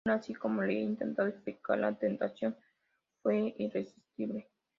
Aun así, como he intentado explicar, la tentación fue irresistible.